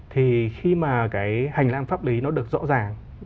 thì khi mà cái hành lang pháp lý nó được rõ ràng